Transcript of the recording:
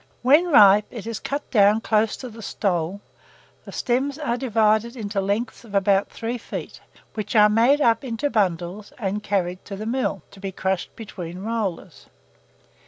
When ripe, it is cut down close to the stole, the stems are divided into lengths of about three feet, which are made up into bundles, and carried to the mill, to be crushed between rollers.